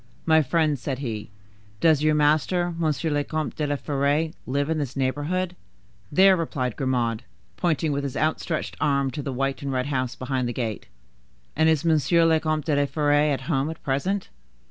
—"My friend," said he, "does your master, Monsieur le Comte de la Fere, live in this neighborhood?" "There," replied Grimaud, pointing with his outstretched arm to the white and red house behind the gate. "And is Monsieur le Comte de la Fere at home at present?"